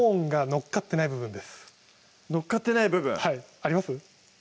載っかってない部分はいあります？